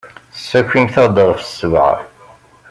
Ssakimt-aɣ-d ɣef ssebɛa.